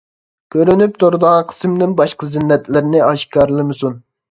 كۆرۈنۈپ تۇرىدىغان قىسىمدىن باشقا زىننەتلىرىنى ئاشكارىلىمىسۇن.